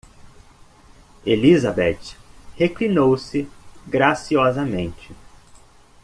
Elizabeth reclinou-se graciosamente.